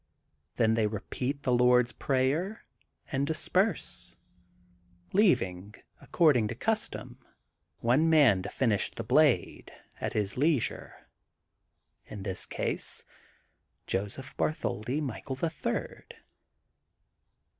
'^ Then they repeat the Lord ^s Prayer and disperse, before the town is awake, leav ing, according to custom, one man to finish the blade, at his leisure: — in this case Joseph Bartholdi Michael, the Third.